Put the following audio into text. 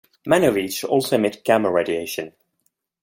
Many of each also emit gamma radiation.